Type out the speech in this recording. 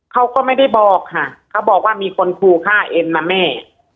เขาก็ไม่ได้บอกค่ะเขาบอกว่ามีคนครูฆ่าเอ็มนะแม่